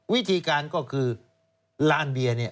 วิธีการก็คือลานเบียร์เนี่ย